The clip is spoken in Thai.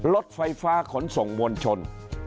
รถไฟฟ้าขนส่งมวลชน